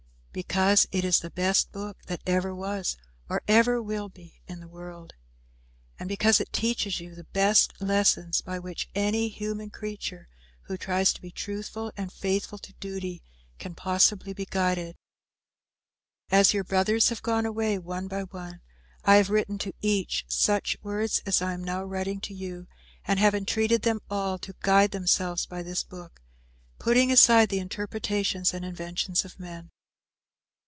Because it is the best book that ever was or ever will be in the world. And because it teaches you the best lessons by which any human creature who tries to be truthful and faithful to duty can possibly be guided. As your brothers have gone away, one by one, I have written to each such words as I am now writing to you and have entreated them all to guide themselves by this book, putting aside the interpretations and inventions of men.